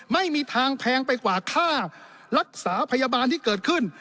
ไม่มีทางแพงไปกว่าค่ารักษาพยาบาลที่เกิดขึ้น